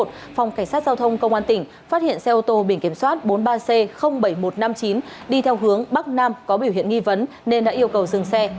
phòng cảnh sát giao thông công an tỉnh phát hiện xe ô tô biển kiểm soát bốn mươi ba c bảy nghìn một trăm năm mươi chín đi theo hướng bắc nam có biểu hiện nghi vấn nên đã yêu cầu dừng xe